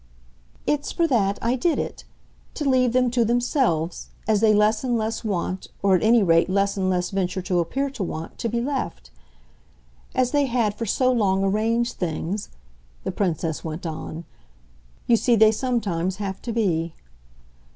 "It's for that I did it. To leave them to themselves as they less and less want, or at any rate less and less venture to appear to want, to be left. As they had for so long arranged things," the Princess went on, "you see they sometimes have to be."